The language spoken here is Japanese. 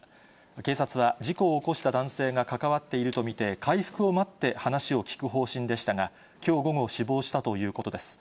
警察は、事故を起こした男性が関わっていると見て、回復を待って話を聞く方針でしたが、きょう午後、死亡したということです。